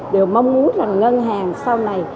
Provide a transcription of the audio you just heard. đều mong muốn rằng ngân hàng sau này